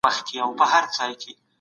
د ماشوم ژړا غوسه کموي.